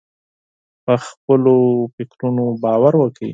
پر خپلو فکرونو باور وکړئ.